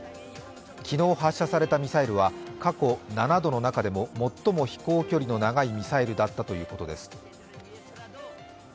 昨日発射されたミサイルは過去７度の中でも最も飛行距離の長いミサイルだったということです。